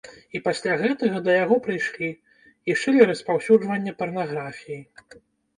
І пасля гэтага да яго прыйшлі і шылі распаўсюджванне парнаграфіі.